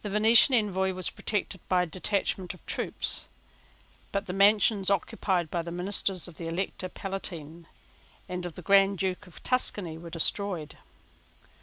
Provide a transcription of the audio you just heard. The Venetian Envoy was protected by a detachment of troops: but the mansions occupied by the ministers of the Elector Palatine and of the Grand Duke of Tuscany were destroyed.